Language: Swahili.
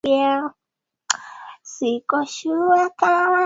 urefu wa angaa sentimita tano